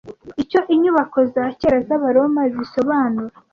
Icyo inyubako za kera z'Abaroma zisobanura